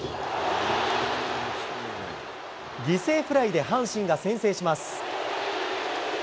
犠牲フライで阪神が先制します。